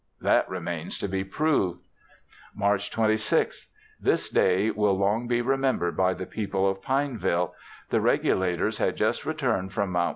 That remains to be proved. March 26th. This day will long be remembered by the people of Pineville. The Regulators had just returned from Mt.